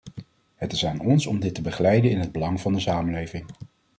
Het is aan ons om dit te begeleiden in het belang van de samenleving.